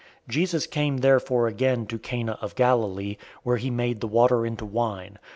004:046 Jesus came therefore again to Cana of Galilee, where he made the water into wine.